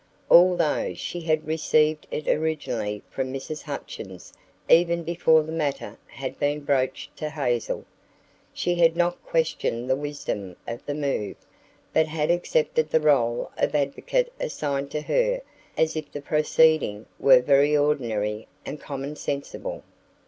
Although she had received it originally from Mrs. Hutchins even before the matter had been broached to Hazel, she had not questioned the wisdom of the move, but had accepted the role of advocate assigned to her as if the proceeding were very ordinary and commonsensible.